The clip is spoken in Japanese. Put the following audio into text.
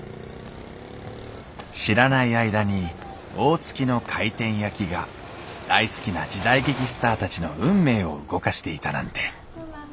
知らない間に「大月」の回転焼きが大好きな時代劇スターたちの運命を動かしていたなんて。